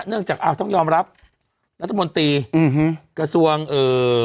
เนื่องจากอ้าวต้องยอมรับรัฐมนตรีอืมฮือกระทรวงเอ่อ